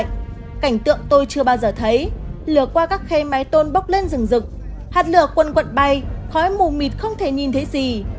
cảnh tượng tôi chưa bao giờ thấy lửa qua các khe mái tôn bốc lên rừng rực hạt lửa quân quận bay khói mù mịt không thể nhìn thấy gì